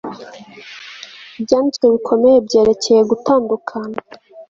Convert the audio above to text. ibyanditswe bikomeye byerekeye gutandukana